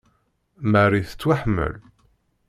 Marie tettwaḥemmel.